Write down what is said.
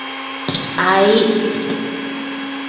Aayi.